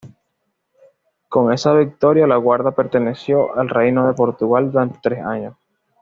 Con esta victoria La Guardia perteneció al Reino de Portugal durante tres años.